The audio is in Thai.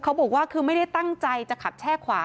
เขาบอกว่าคือไม่ได้ตั้งใจจะขับแช่ขวา